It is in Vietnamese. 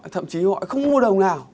thậm chí họ không mua đồng nào